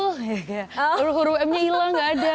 huruf huruf m nya hilang gak ada